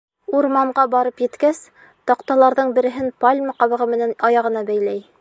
Урманға барып еткәс, таҡталарҙың береһен пальма ҡабығы менән аяғына бәйләй.